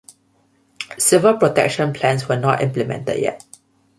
Civil protection plans were not implemented yet.